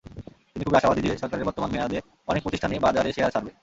তিনি খুবই আশাবাদী যে, সরকারের বর্তমান মেয়াদে অনেক প্রতিষ্ঠানই বাজারে শেয়ার ছাড়বে।